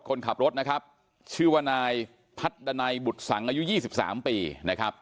คนขับรถนะครับชื่อว่านายพัดดานายบุษังอายุยี่สิบสามปีนะครับ